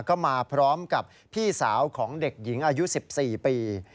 ก็มาพร้อมกับพี่สาวของเด็กหญิงอายุ๑๔ปี